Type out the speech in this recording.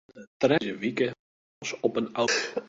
Foar de tredde kear dizze wike rinne der skiep los op in autodyk.